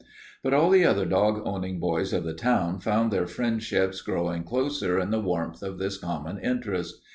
But all the other dog owning boys of the town found their friendships growing closer in the warmth of this common interest.